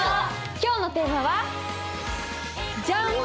今日のテーマはじゃん！